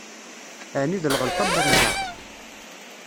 Ɛni d lɣelḍa n unẓar?